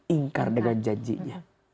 ingkar dengan janjinya